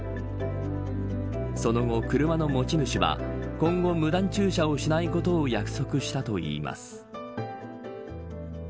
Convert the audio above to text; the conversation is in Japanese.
その後、車の持ち主は今後無断駐車をしないことを約束したといいます。